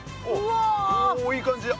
おおいい感じだ。